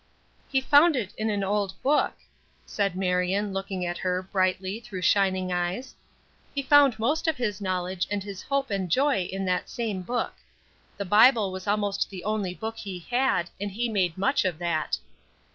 "He found it in an old book," said Marion, looking at her, brightly, through shining eyes. "He found most of his knowledge and his hope and joy in that same book. The Bible was almost the only book he had, and he made much of that."